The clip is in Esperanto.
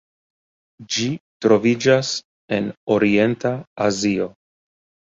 Ĝi troviĝas en Orienta Azio.